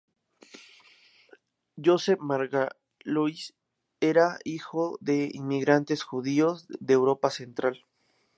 Joseph Margolis era hijo de inmigrantes judíos de Europa central.